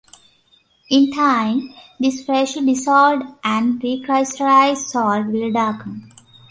In time, this freshly dissolved and recrystallized salt will darken.